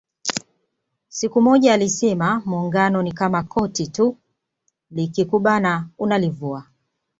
Siku moja alisema Muungano ni kama koti tu likikubana unalivua